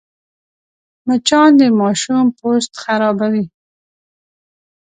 مچان د ماشوم پوست خرابوي